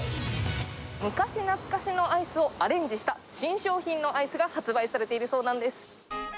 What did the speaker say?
昔懐かしのアイスをアレンジした新商品のアイスが発売されているそうなんです。